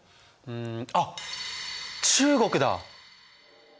あっ中国だ！